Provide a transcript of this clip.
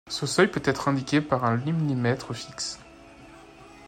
Ce seuil peut être indiqué par un limnimètre fixe.